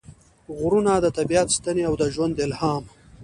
غرونه – د طبیعت ستنې او د ژوند الهام